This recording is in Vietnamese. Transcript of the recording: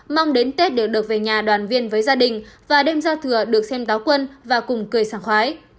mong đến tết đều được về nhà đoàn viên với gia đình và đêm giao thừa được xem táo quân và cùng cười sáng khoái